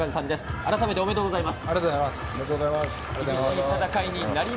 改めておめでとうございます。